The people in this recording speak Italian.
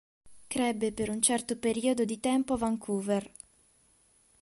Crebbe per un certo periodo di tempo a Vancouver.